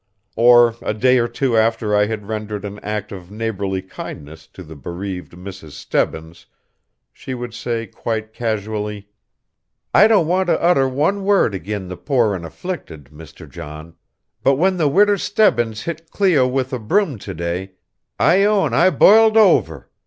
Or a day or two after I had rendered an act of neighborly kindness to the bereaved Mrs. Stebbins she would say quite casually: "I don't want to utter one word agin the poor and afflicted, Mr. John, but when the Widder Stebbins hit Cleo with a broom to day I own I b'iled over.